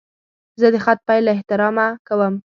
زه د خط پیل له احترامه کوم.